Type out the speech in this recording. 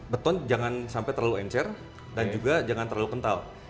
beton jangan sampai terlalu encer dan juga jangan terlalu kental